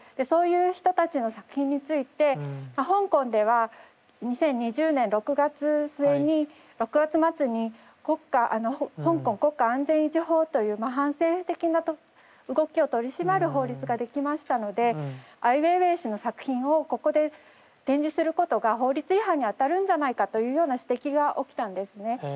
そういう人たちの作品について香港では２０２０年６月末に香港国家安全維持法という反政府的な動きを取り締まる法律ができましたのでアイウェイウェイ氏の作品をここで展示することが法律違反にあたるんじゃないかというような指摘が起きたんですね。